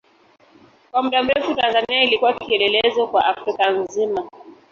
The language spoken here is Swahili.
Kwa muda mrefu Tanzania ilikuwa kielelezo kwa Afrika nzima.